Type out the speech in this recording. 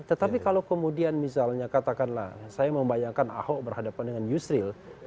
tetapi kalau kemudian misalnya katakanlah saya membayangkan ahok berhadapan dengan yusril